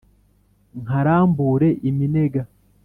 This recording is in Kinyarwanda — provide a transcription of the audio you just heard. Nkarambure iminega,